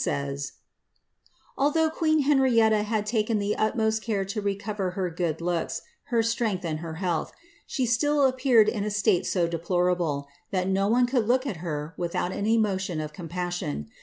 —*^ Although queen Henrietta had taken the utmost care to recover her good looka, her strength, and her health, she still appeared in a state so deplorable, that no one could look at her without an emotion of com passion.